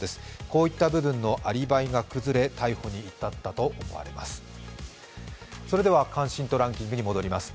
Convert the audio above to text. こういった部分のアリバイが崩れ、逮捕に至ったことになります。